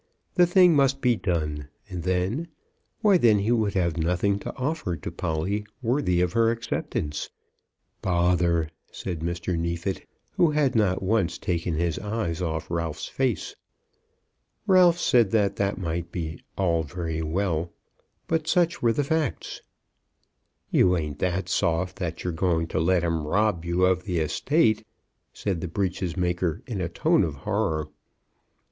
The thing must be done, and then; why, then he would have nothing to offer to Polly worthy of her acceptance. "Bother," said Mr. Neefit, who had not once taken his eyes off Ralph's face. Ralph said that that might be all very well, but such were the facts. "You ain't that soft that you're going to let 'em rob you of the estate?" said the breeches maker in a tone of horror.